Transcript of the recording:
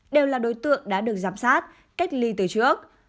đều là đối tượng đã được giám sát cách ly từ trước